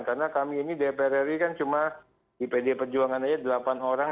karena kami ini dpr ri kan cuma di pd perjuangan saja delapan orang